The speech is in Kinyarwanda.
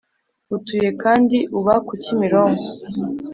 utuye kandi uba ku Kimironko